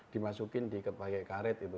dimasukin di pakai karet itu